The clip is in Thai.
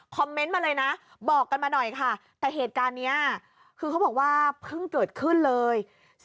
เมนต์มาเลยนะบอกกันมาหน่อยค่ะแต่เหตุการณ์นี้คือเขาบอกว่าเพิ่งเกิดขึ้นเลย